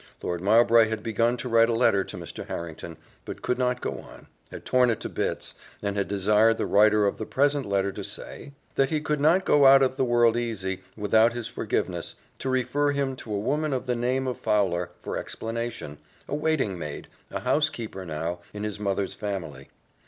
Lord Mowbray had begun to write a letter to Mr. Harrington, but could not go on had torn it to bits and had desired the writer of the present letter to say, "that he could not go out of the world easy, without his forgiveness to refer him to a woman of the name of Fowler, for explanation a waiting maid a housekeeper now, in his mother's family.